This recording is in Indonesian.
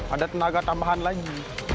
ada tenaga tambahan lagi